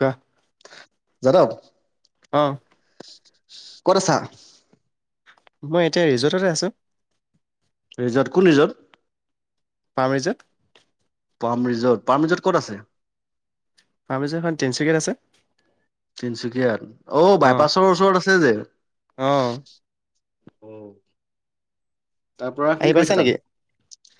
কাহ যাদব ক'ত আছা মই এতিয়া ৰিজৰ্টতে আছো ৰিজৰ্ট কোন ৰিজৰ্ট পাম ৰিজৰ্ট পাৰ্ম ৰিজৰ্ট পাৰ্ম ৰিজৰ্ট ক'ত আছে পাৰ্ম ৰিজত খন তিনিচুকীয়াত আছে তিনচুকীয়াত অ বাইপাছৰ ওচৰত আছে [unintelligible] যে অহ অ তাৰ পৰা কি আহি পাইছা কৰিছে নেকি তাত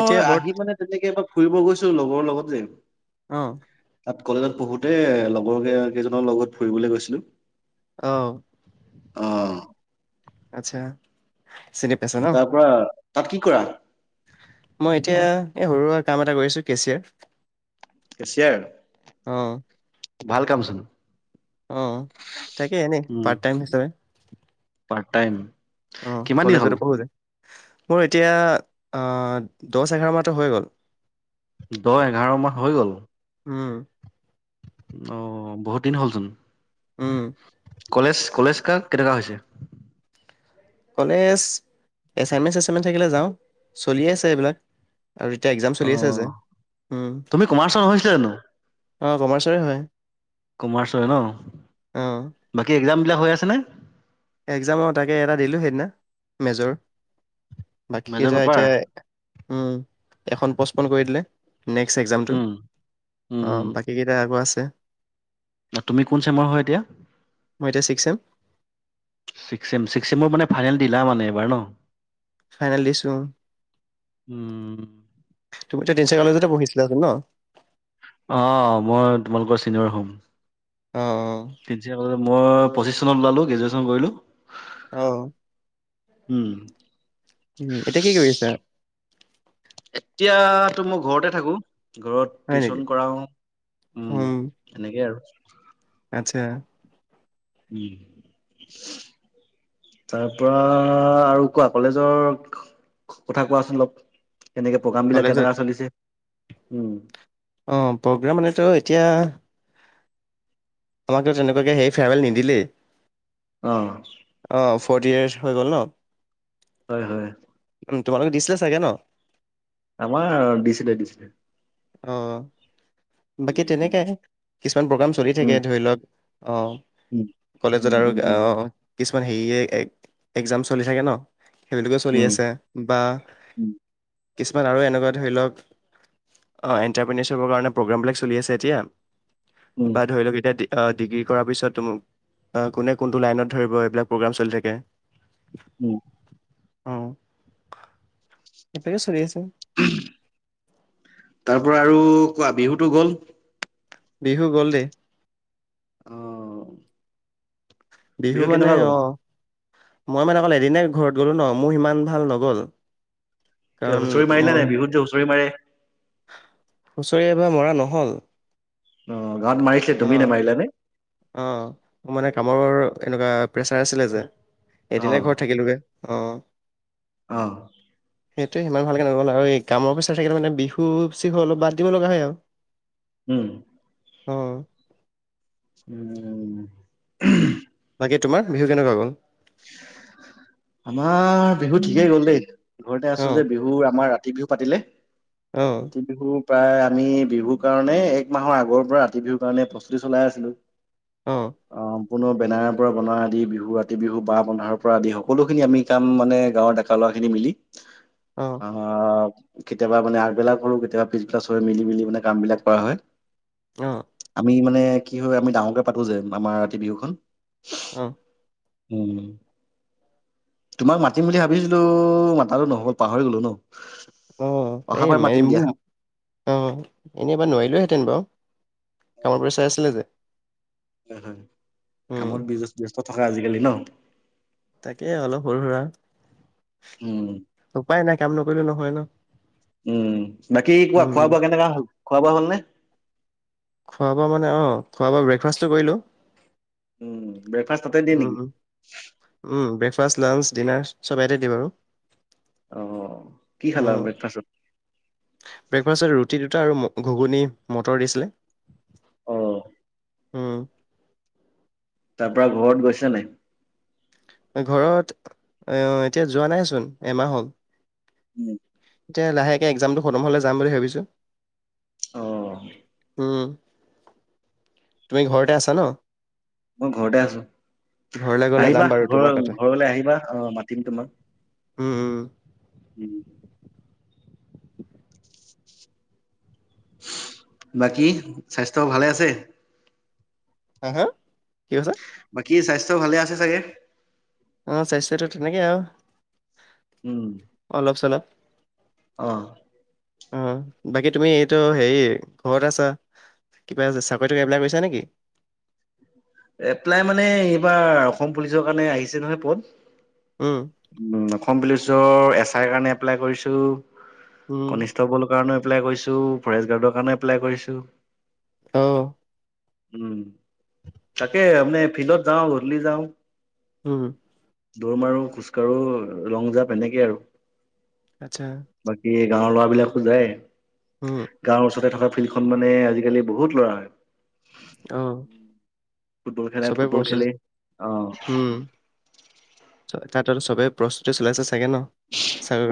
এতিয়া বৰ্ত আহি মানে তেনেকে এবাৰ ফুৰিব গৈছো লগৰ লগত যে অ তাত কলেজত পঢ়োতে লগৰ কেইজনৰ লগত ফুৰিবলৈ গৈছিলো আহ অ আচ্ছা চিনি পাইছ ন তাৰ পৰা তাত কি কৰা মই এতিয়া এ সৰু সৰা কাম এটা কৰিছোঁ কেচিয়াৰ কেচিয়াৰ অঁহ ভাল কামচোন অ তাকে এনেই উম, পাৰ্ট টাইম হিচাপে পাৰ্ট টাইম অ কিমান দিন হ'ল? কলেজৰে পঢ়োতে মোৰ এতিয়া দহ এঘাৰ মাহটো হৈ গ'ল দহ এঘাৰ মাহ হৈ গ'ল উম অ বহুত দিন হলচোন উম কলেজ কলেজ কাঁ কেনেকা হৈছে কলেজ এচাইমেচ চচাইমেন থাকিলে যাওঁ চলিয়ে আছে এইবিলাক আৰু এতিয়া এক্সাম চলি অ আছে যে তুমি কোমাৰ্চৰ নহৈছিলা জানো অঁ কমাৰ্চাৰ হয় কমাৰ্চ হয় ন অ বাকী একজাম বিলাক হৈ আছে আনে একজাম তাকে এটা দিলোঁ সেইদিনা মেজৰ বাকী মেজৰ কেইজ পেপাৰ? এতিয়া উম এখন পষ্টপন কৰি দিলে নেক্সট একজামটো উম, উম, অঁ উম। বাকীকেইটা আকৌ আছে সছে তুমি কোন চেমৰ হয় এতিয়া মই এতিয়া ছিক্স ছেম। মৰ মানে ফাইনেল দিলা মানে ববাৰ ন ফাইনেল দিছো উম। তুমি তিনিচুকীয়া কলেজতে পঢ়িছিলাচোন ন অ মই তোমালোকৰ চিনিয়ৰ হম অ অ তিনচুকিয়া কলেজত মই পঁিছ চন ওলালো গ্ৰেজুৱে্যন কৰিলো আহ উম, উ এতিয়া কি কৰি আছা এতিয়াাতো মই ঘৰতে থাকো ঘৰত হয় নেকি টিউচন কৰাও উম সনেকেই আৰু উ আচ্ছা উম তাৰ পৰা আৰু কোৱা কলেজৰ কথা কোৱাচোন অলপ কেনেকে প্ৰগ্ৰাম বিিলাক কলেজত কেনেককা চলিছে উম অঁ প্ৰগ্ৰেম মানেতো এতিয়া আমাক তেনেকুৱাকে সেই ফোৰৱেল নিদিলে আহ ফ'ৰ্টি ইয়াৰছ হৈ গ'ল ন হয় হয় উম তোমালোকে দিছিলে চাগে ন আমাৰ ডিচিটাই দিচিাই অ বাকী তেনেকাই কিছুমান প্ৰগ্ৰাম চলি উম, থাকে ধৰি লওক অ উম, কলেজত উম, আৰু উম, অ উম, কিছুমান হেৰিয় এক্জাম চলি থাগে ন সেইবিলাকে চলি উম, আছে বা উম, কিছুমান আৰু এনেকুৱা ধৰি লওক অঁ এণ্টাৰপ্ৰিনৰশ্বিপৰ কাৰণে প্ৰগ্ৰেমবিলাক চলি আছে এতিয়া উম, বা ধৰি লওক এতিয়া ডিগ্ৰী কৰাৰ পিছত তমোক কোনে কোনটো লাইনত ধৰিব এইবিলাক প্ৰগ্ৰাম চলি থাকে উম অ এপকে চৰি আছে তাৰ পৰা আৰু কোৱা বিহুতটো গ'ল বিহু গ'লে আহ বিহু মানে অ মই মানে অকলে এদনে ঘৰত গ'লোঁ ন মোৰ সিমান ভাল নগ'ল কাৰণ হুঁচৰি মাৰিলে মই নে বিহুত যে হুঁচৰি মাৰে হুঁচৰি এবাৰ মৰা নহল অ গ মাৰিছিল অ তুমি নে মাৰিলা নে অ মোৰ মানে কামৰ এনেকুৱা প্ৰেচাৰ আছিলে যে অ', এদিনে ঘৰত থাকিলোোগে অ'। অ'। সেইটোে সিমান ভালকে নগ'ল আৰু এই কামৰ পিচত থাকিলে মানে বিহু চিহু অলপ বাদ দিব লগা হয় আৰু। উম। অ'। উম। তাকে তোমাৰ বিহু কেনেকুৱা গ'ল? আমাৰ বিহু ঠিকেই গ'ল দেই। ঘৰতে আছো অ', যে বিহুৰ আমাৰ [unintelligible] পাতিলে। অ', ততিয়া দেখ প্ৰায় আমি বিহুৰ কাৰণে এক মাহৰ আগৰ পৰা ৰাতি বিহুৰ কাৰণে প্ৰস্তুতি চলাই আছিলো। অ'। কোনো বেনাৰৰ পৰা বনোৱা আদি বিহু ৰাতি বিহু ব পন্ধাৰৰ পৰা আদি সকলোখিনি আমি কাম মানে গাঁৱৰ ডেকা ল'ৰা খিনি মিলি অ', আমাৰ কেতিয়াবা মানে আগবেলাক কৰো কেতিয়াবা পিছবিলাক চব মিলি মিলি মানে কাম বিলাক কৰা হয়। আহ। আমি মানে কি হয় আমি ডাঙৰকে পাতো যে আমাৰ ৰাতি বিহুখনন অ'। উ তোমাক মাতিম বুলি ভাবিছিলো মাতালো নহকল পাহৰি গলো ন। অ', [unintelligible] অ', অহাবাৰ মাতিম দিয়া এনে মই নোৱাৰিলোহেঁতেন বাৰু। কামৰ পৰা চাই আছিলে যে। উম হু। উম, কামত বিজচ। [unintelligible] [unintelligible] আজিকালি ন? তাকে অলপ সৰু সুৰা, উম উপায় নাই কাম নকৰিলে ন। হয় ন। উম, বাকী কোৱা উম, খোৱা বোৱা কেনেকুৱা হ'ল। খোৱা বোৱা হ'লনে? খোৱা বোৱা মানে অ', খোৱা বোৱা ব্ৰেকফাষ্টটো কৰিলোঁ। উম, ব্ৰেকফাষ্ট তাতে দিয়ে উম, নেকি? উম, ব্ৰেকফাষ্ট, লাঞ্চ, ডিনাৰ চব ইয়াতে দিম আৰু। অ কি খালা অ', ব্ৰেকফাষ্টত ব্ৰেকফাষ্টত ৰুটি দুটা আৰু ঘুগুনি মটৰ দিছিলে। অহ। উম। তাৰপৰা ঘৰত গৈছা নাই? ঘৰত আ এতিয়া যোৱা নাইচোন এমাহ হ'ল উম এতিয়া লাহেকে এক্সামটো খতম হলে যাম বুলি ভাবিছো অ উম [inaudible] তুমি ঘৰতে আছা ন। মই ঘৰতে আছো ঘৰলে গলে যাম আহিবা বাৰু ঘৰ তোমাৰ তাতে ঘৰলে আহিবা অ মাতিম তোমাক উম উম। উম। বাকী স্বাস্থ্য ভালে আছে? হা হা কি কৈছা? কি স্বাস্থ্য ভালে আছে চাগে? অ' স্বাস্থ্যটো তেনেকে আৰু। অলপ-চলপ। অঁ। অ' বাকী তুমি এইটো হেৰি ঘৰত আছা কিবা চাকৰি-টাকৰি এপ্লাই কৰিছা নেকি? এপ্লাই মানে এইবাৰ অসম পুলিচৰ কাৰণে আহিছে নহয় পদ। উম, অসম পুলিচ। নিজৰ এছ আই ৰ কাৰণে এপ্লাই কৰিছোঁ। উম কনিষ্টবল কাৰণে। ফৰেষ্ট গাৰ্ডৰ কাৰণে এপ্লাই কৰিছো। অঁ। উম, তাকে মানে ফিল্ডত যাওঁ গধুলি যাওঁ। উম। দৌৰ মাৰো খোজ আৰু লং জাপ এনেকে আৰু। আচ্ছা। বাকী গাঁৱৰ ল'ৰা বিলাকো যায়? উম গাঁৱৰ ওচৰতে থকা ফিল্ডখন মানে আজিকালি বহুত ল'ৰা হয়। অঁ ফুটবল খেলাই ফুটবল খেলে অঁ উম চ তাত আৰু চবেই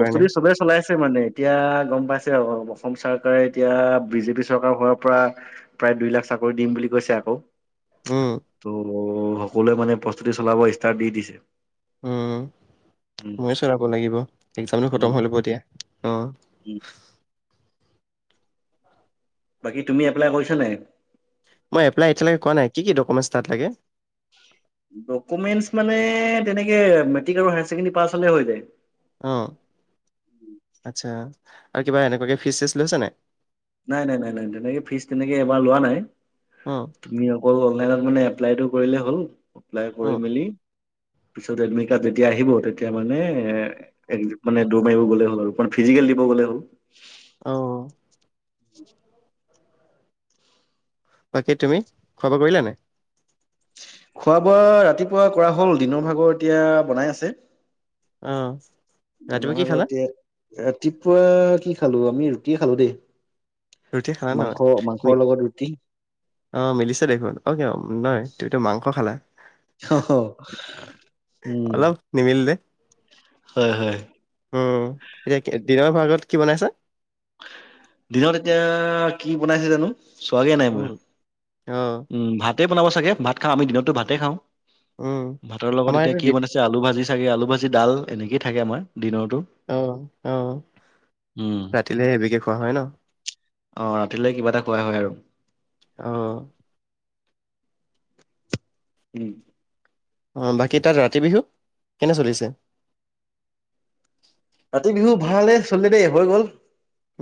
কাৰণে চবেই চলাইছে মানে এতিয়া গ'ম পাইছে [unintelligible] অসম চৰকাৰে এতিয়া বিজেপি চৰকাৰ হোৱাৰ পৰা প্ৰায় দুই লাখ চাকৰি দিম বুলি কৈছে আকৌ। উম। ত' সকলোৱে মানে প্ৰস্তুতি চলাব ইষ্টাৰ্ট দি দিছে। উম। উম ময়ো চলাব লাগিব, একজামটো খটম হৈ ল'ব দিয়া অঁ। উম বাকী তুমি এপ্লাই কৰিছা নাই মই এপলাই এতিয়ালেোৱা নাই কিক লে ডকুমেন্ট মানে তেনেকে মেট্ৰিক আৰু হায় ছেকেণ্ড পাছ হলে হৈ যায় অ আচ্ছা আৰু কিবা এনেকুৱাকে ফিজ চেজ লৈছে নে নাই নাই নাই নাই তেনেকে ফিজ তেনেকে এবাৰ লোৱা নাই অ', তুমি অকল অনলাইনত মানে এপ্লাইটো কৰিলে হ'ল এপ্লাই কৰি অ', মেলি পিছত এডমিট কাৰ্ড যেতিয়া আহিব তেতিয়া মানে মানে দৌৰ মাৰিব গলে হল আৰু ফিজিকেল দিব গ'লে হ'ল আহ উম বাকী তুমি খোৱা বা কৰিলা নে খোৱা বোৱা ৰাতিপুৱা কৰা হ'ল দিনৰ ভাগৰ এতিয়া বনাই আছে আহ তে ভাগতে তিপুৱা কি খালো আমি ৰুটিয়ে খালো দেই ৰুটি খালা মাংস মাংসৰ নহয় লগত ৰুটি। অ মিলিছে দেখোন অ কিয় নহয় তুমিতো মাংস খালা অহ উম অলপ নিমিল দে হয় হয় উম এতিয়া দিনৰ ভ আাগত কি বনাইছা দিনত এতিয়া কি বনাইছে জানো চোৱাগে নাই মই উম, অ', উম ভাতে বনাব চাগে ভাত খা আমি দিনতো ভাতে খাওঁ উম। ভাতৰ লগত আমাৰ এতিয়া এইটো কি দি বনাইছে আলু ভাজি চাগে আলু ভাজি ডাল এনেকে থাকে আমাৰ দিনৰতো আহ আহ উম। ৰাতি এহে সেবকে খোৱা হয় ন অ ৰাতিলৈ কিবা এটা খোৱা হয় আৰু আহ উম আহ বাকী তাত ৰাতি বিহু কেনে চলিছে কাতি বিহু ভালে চলি দেই হৈ গ'ল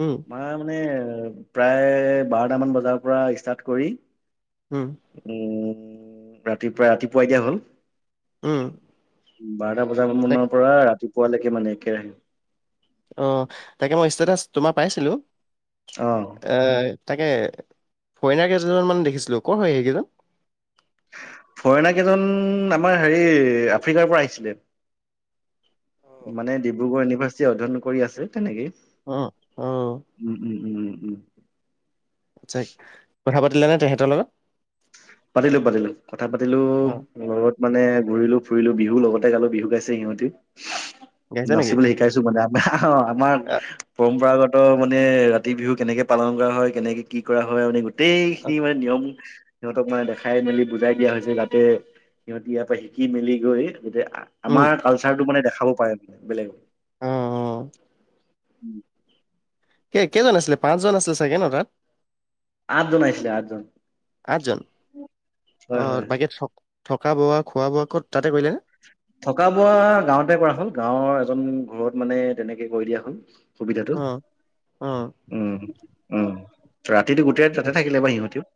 উম, মানে প্ৰায় বাৰটামান বজাৰ পৰা ষ্টাৰ্ট কৰি উম। উ, ৰাতিপুৱা, ৰাতিপুৱা এ, দিয়য়া হল। উম। বাৰটা বজাম মানৰ পৰা ৰাতি পোৱালৈকে মানে একে আহম [unintelligible] অ, তাকে মই ষ্টেটাচ তোমাৰ পাইছিলো। অ আহ। তাকে ফৰিইনাৰ কেইজনমান দেখিছিলোঁ। ক'ৰ হয় সেইকেইজন। ফৰেনাৰ কেইজন আমাৰ হেৰি আফ্ৰিকাৰ পৰা আহিছিলে। মানে ডিব্ৰুগড় ইউনিভাৰ্চিটি অধ্যয়ন কৰি আছে তেনেকেই। অ', অ', উম, উম, ' উম, ' উম, ' উম। আচ্ছা কথা পাতিলে নে তেহঁতৰ লগত। পাতিলো, পাতিলো কথা পাতিলো অ', লগ মানে, ঘুৰিলো, ফুৰিলো বিহু লগতে গালো। বিহু গাইছে সিহঁতিও। গাইছা নচিব নেকি? বুলি শিকাইছো মানে। বা। আমাৰ অ', পৰম্পৰাগত। মানে ৰাতি বিহু কেনেকে পালন কৰা হয়। কেনেকে কি কৰা হয়। মানে [unintelligible] গোটেইখিনি মানে নিয়ম সিহঁতক মানে দেখাই মেলি বুজাই দিয়া হৈছিল। যাতে সিহঁতে ইয়াৰ পৰা শিকি মেলি গৈ। গোতে উম, আমাৰ কালচাৰ টো মানে দেখাাব হয়, বিলগ। অ', অ', উম। কেইজন আছিলে পাঁচজন আছিলে চাগে ন তাত। আঠজন আহিছিলে আঠজন। কাজল অ, হয় হয় বাকী চ থকা বোৱা, খোৱা বোৱা, ক'ত তাতে কৰিলেনে। থকা বোৱা গাঁৱতে কৰা হ'লম গাঁৱৰ এজন ঘৰত মানে তেনেকে কৰি দিয়া হল। সুবিধাটো অ', অ', উ, উ। প্ৰায় [inaudible] ৰাতিটো গোটেই তা থাকে বা সিহঁতিও।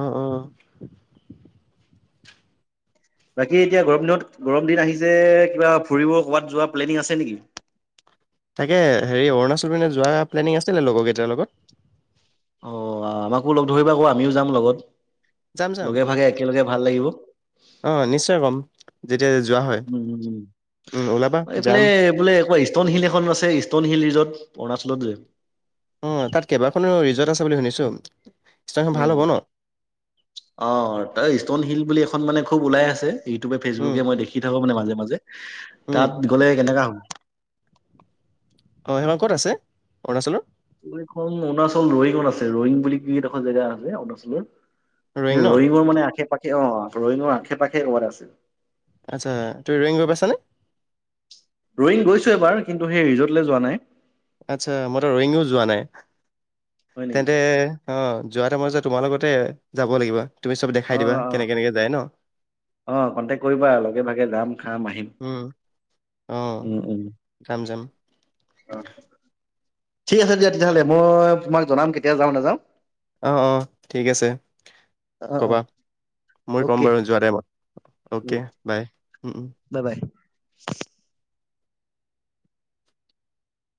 অ', অ', বাকী এতিয়া গৰম দিনত গৰম দিন আহি যে কিবা ফুৰিব কবাত যোৱা প্লেনিং আছে নেকি তাকে হেৰি অৰুণাচল মানে যোৱা প্লেনিং আছিল নে লগৰকেইটাৰ লগত। অ, আমাকো লগ ধৰিবা আকৌ আমিও যাম লগত। যাম চাম লগে ভাগে একেলগে ভাল লাগিব। উম আহ নিশ্চয় কম যেতিয়া যোৱা হয়। উম উম, ওলাবা এইফালে যাম। বোলে কোৱা ইষ্টণ হিল এখন আছে ইষ্টণ হিল ত পনাচ লোত যে অ তাত কেইবাখনো ৰিজৰ্ট আছে বুলি শুনিছো স্থানখন ভাল হ'ব উম ন? অ তাৰ ষ্টন হিল বুলি এখন মানে খুব ওলাই আছে। ইউটিউবে, উম, ফেচবুকে মই দেখি থাকো মানে মাজে মাজে, উম। তাত গলে কেনেকা হ'ব। অ', [unintelligible] ক'ত আছে? অৰুণাচলৰ? এইখন অৰুণাচল ৰয়িঙত আছে, ৰয়িঙ বুলি এডোখৰ জেগা আছে অৰুণাচলৰ ৰয়িং সেই ন? ৰয়িঙৰ মানে আশে পা অ', ৰয়িঙৰ আশে পাশে ক'ৰবাত আছে। আতচ্ছা তুমি ৰয়িঙ গৈ পাইছানে? ৰয়িং গৈছো এবাৰ কিন্তু সেই ৰিজৰ্টলে যোৱা নাই। আতচ্ছা মইতো ৰয়িংও যোৱা নাই, হয় নেকি তেন্তে অ', যোৱা [unintelligible] তোমাৰ লগতে যাব লাগিবা? তুমি চব অ দেখাই দিবা অ কেনেক, কেনেকে যায় ন? অ কন্টেক্ট কৰিবা লগে ভাগে যাম খাম আহিম উম, অহ, যাম, যাম। অ', ঠিক আছে দিয়া তেতিয়াহ'লে মই তোমাক জনাম কেতিয়া যাওঁ, নাযাওঁ। অ', অ', ঠিক আছে অ অ ক'বা, মই ক'ম অ'কে বাৰু যোৱা টাইমত অকে বাই, উম, উম। Bye bye